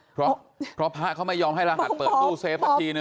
เพราะพระเขาไม่ยอมให้รหัสเปิดตู้เซฟสักทีนึ